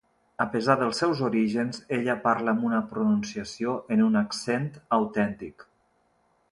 A pesar dels seus orígens, ella parla amb una pronunciació en un accent autèntic.